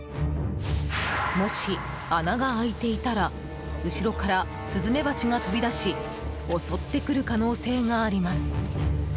もし、穴が開いていたら後ろからスズメバチが飛び出し襲ってくる可能性があります。